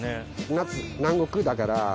夏、南国だから。